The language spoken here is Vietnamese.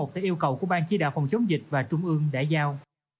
tại yêu cầu của ban chí đạo phòng chống dịch và trung ương đã giao